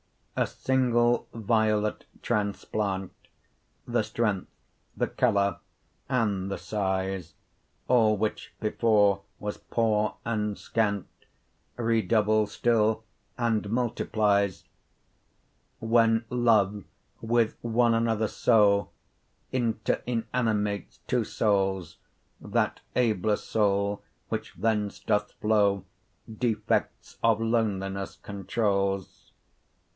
A single violet transplant, The strength, the colour, and the size, (All which before was poore, and scant,) Redoubles still, and multiplies. 40 When love, with one another so Interinanimates two soules, That abler soule, which thence doth flow, Defects of lonelinesse controules.